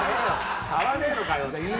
買わねえのかよ！